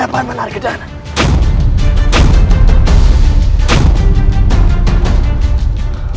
masuklah ke dalam